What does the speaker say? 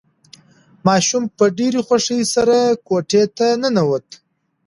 ماشوم په ډېرې خوښۍ سره کوټې ته ننوت.